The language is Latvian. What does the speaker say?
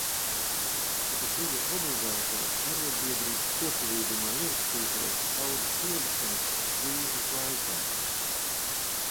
Kad bija obligātais, arodbiedrības koplīgumā ierakstītais, algas pielikums, krīzes laikā.